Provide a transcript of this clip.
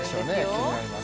気になります